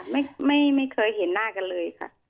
ไม่เจอกันเลยค่ะไม่เคยเห็นหน้ากันเลยค่ะ